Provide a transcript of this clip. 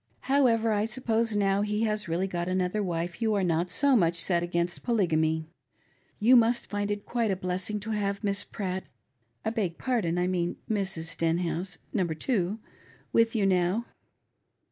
However, I suppose now he has really got another wife you are i ■; so much set against Polygamy. You must find it quite a Mess ing to have Miss Pratt — I beg pardon, I mean Mrs. Stenhouse, ji^imber two — with you now."